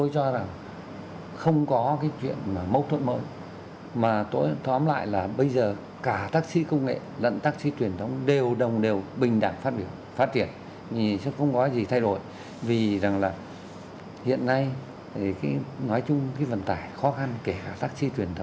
cho nên không thể kết quận được là đúng hay sai hay làm được hay không nào